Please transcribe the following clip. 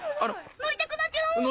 乗りたくなっちゃう！